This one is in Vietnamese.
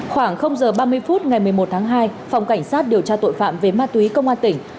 khoảng giờ ba mươi phút ngày một mươi một tháng hai phòng cảnh sát điều tra tội phạm về ma túy công an tỉnh